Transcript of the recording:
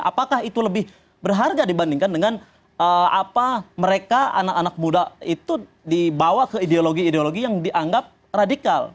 apakah itu lebih berharga dibandingkan dengan apa mereka anak anak muda itu dibawa ke ideologi ideologi yang dianggap radikal